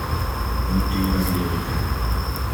We moeten hieruit lering trekken.